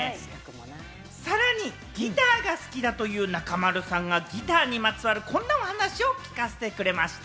さらにギターが好きだという中丸さんがギターにまつわる、こんなお話を聞かせてくれました。